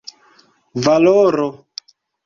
valoro